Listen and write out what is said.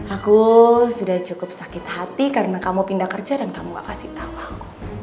aku sudah cukup sakit hati karena kamu pindah kerja dan kamu gak kasih tawang